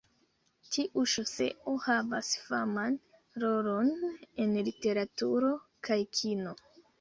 Tiu ŝoseo havas faman rolon en literaturo kaj kino.